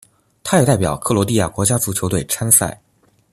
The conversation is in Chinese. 他也代表克罗地亚国家足球队参赛。